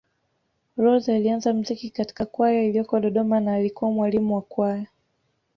Rose alianza mziki katika kwaya iliyoko Dodoma na alikuwa mwalimu wa Kwaya